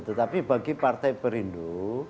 tetapi bagi partai perindu